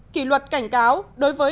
kỷ luật cảnh cáo đối với